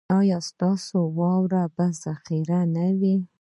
ایا ستاسو واوره به ذخیره نه وي؟